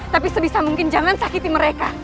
tapi sebisa mungkin jangan sakiti mereka